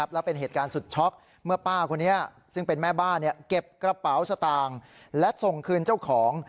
และเป็นเหตุการณ์สุดช็อกเมื่อป้าคนนี้ซึ่งเป็นแม่บ้านเก็บกระเป๋าสตางค์และส่งคืนเจ้าของ